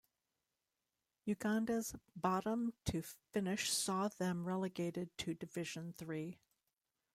Uganda's bottom two finish saw them relegated to Division Three.